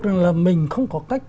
là mình không có cách